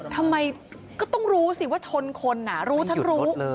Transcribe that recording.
ทำไมก็ต้องรู้สิว่าชนคนรู้ทั้งรู้